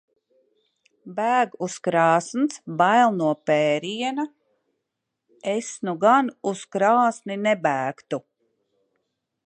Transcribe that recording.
Bēg uz krāsns. Bail no pēriena. Es nu gan uz krāsni nebēgtu.